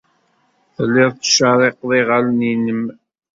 Telliḍ tettcerriqeḍ iɣallen-nnem.